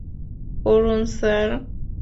করুন, স্যার।